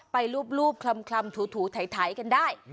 ไปรูปคล่ำถูถ่ายกันได้